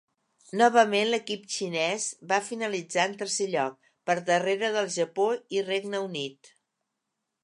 Novament, l'equip xinès va finalitzar en tercer lloc, per darrere del Japó i Regne Unit.